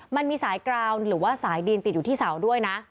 มันมีสายกราวหรือว่าสายดินติดอยู่ที่เสาด้วยนะ